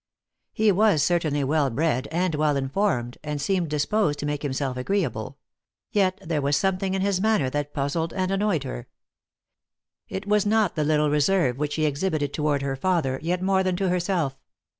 He was certainly well bred and well informed, and seemed disposed to make himself agreeable ; yet there \vas something in his manner that puzzled and annoyed her. It was not the little reserve which he exhibited toward her father, yet more than to herself.